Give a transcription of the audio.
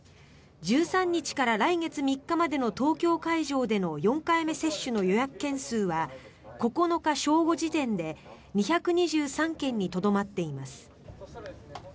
１３日から来月３日までの東京会場での４回目接種の予約件数は９日正午時点で２２３件にとどまっています。